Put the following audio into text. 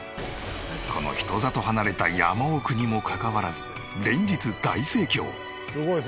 この人里離れた山奥にもかかわらず連日大盛況！